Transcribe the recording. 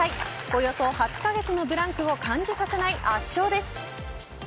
およそ８カ月のブランクを感じさせない圧勝です。